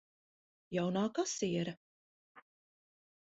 Jaunā kasiere.